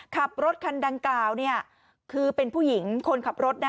ขับรถคันดังกล่าวคือเป็นผู้หญิงคนขับรถ